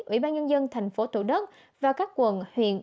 ủy ban nhân dân tp hcm và các quận huyện